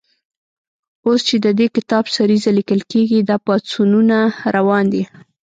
اوس چې د دې کتاب سریزه لیکل کېږي، دا پاڅونونه روان دي.